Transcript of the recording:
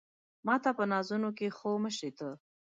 ماته په نازونو کې خو مه شې ته